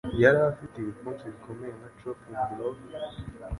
Yari afite ibipfunsi bikomeye nka choppin 'blok,